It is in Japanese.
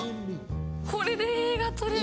これで映画撮れる。